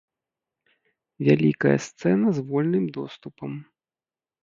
Вялікая сцэна з вольным доступам.